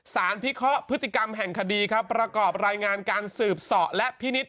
พิเคราะห์พฤติกรรมแห่งคดีครับประกอบรายงานการสืบสอและพินิษฐ